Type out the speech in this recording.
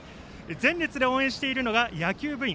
前列で応援しているのが野球部員。